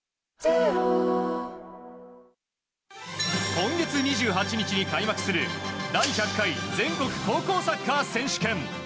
今月２８日に開幕する第１００回全国高校サッカー選手権。